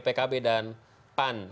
pkb dan pan